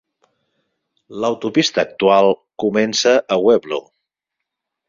L'autopista actual comença a Weableau.